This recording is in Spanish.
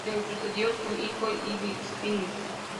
Le sucedió su hijo Ibbi-Sipish.